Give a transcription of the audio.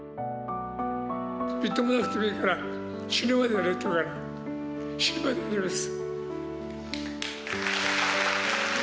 みっともなくてもいいから、死ぬまでやれっていうから、死ぬまでやります。